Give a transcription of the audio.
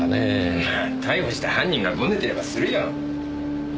まあ逮捕した犯人がごねてればするよ。